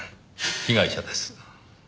被害者です。